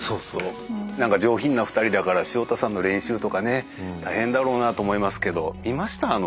何か上品な２人だから潮田さんの練習とか大変だろうなと思いますけど。